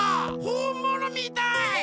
ほんものみたい！